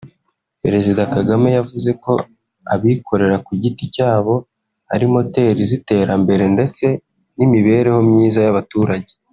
Perezida Kagame yavuze ko abikorera ku giti cyabo ari moteri z’iterambere ndetse n’imibereho myiza y’abaturage